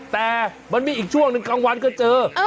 แต่มันมีอีกช่วงหนึ่งกลางวันก็เจอ